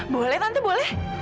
boleh tante boleh